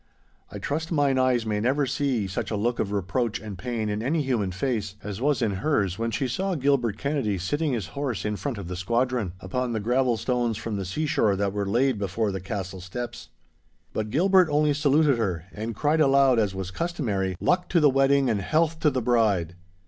I trust mine eyes may never see such a look of reproach and pain in any human face, as was in hers when she saw Gilbert Kennedy sitting his horse in front of the squadron, upon the gravel stones from the seashore that were laid before the castle steps. But Gilbert only saluted her, and cried aloud as was customary, 'Luck to the wedding and health to the bride!